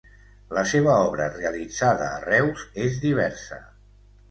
La seva obra realitzada a Reus és diversa.